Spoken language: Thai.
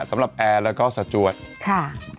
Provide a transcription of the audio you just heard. สำหรับแอร์แล้วก็สจวดค่ะ